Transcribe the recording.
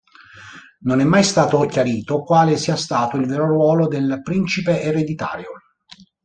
Non è mai stato chiarito quale sia stato il vero ruolo del principe ereditario.